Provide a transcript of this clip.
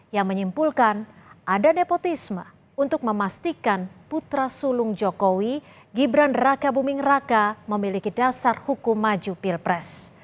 yang menyimpulkan ada nepotisme untuk memastikan putra sulung jokowi gibran raka buming raka memiliki dasar hukum maju pilpres